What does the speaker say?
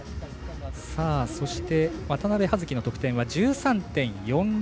そして渡部葉月の得点１３．４００。